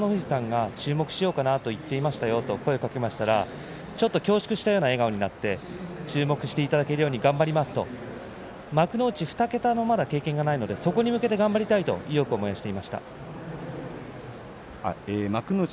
北の富士さんが注目しようかなと言っていましたよと声をかけましたらちょっと恐縮したような笑顔になって注目していただけるように頑張りますと幕内２桁の経験がまだないのでそこに向けて頑張りたいと意欲を燃やしていました。